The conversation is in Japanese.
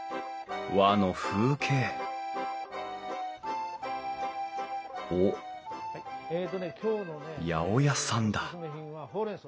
和の風景おっ八百屋さんだ